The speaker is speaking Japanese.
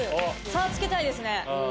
差つけたいですね